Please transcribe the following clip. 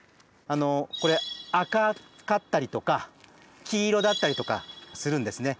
これ赤かったりとか黄色だったりとかするんですね。